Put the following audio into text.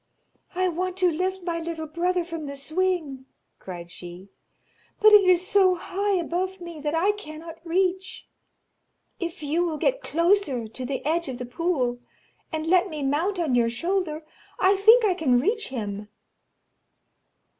'I want to lift my little brother from the swing,' cried she, 'but it is so high above me, that I cannot reach. If you will get closer to the edge of the pool, and let me mount on your shoulder, I think I can reach him.'